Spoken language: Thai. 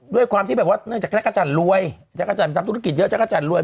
ด้วยความที่แบบว่าเนื่องจากจักรจันทร์รวยจักรจันทร์ทำธุรกิจเยอะจักรจันทร์รวย